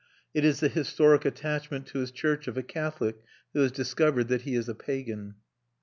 It is the historic attachment to his church of a Catholic who has discovered that he is a pagan.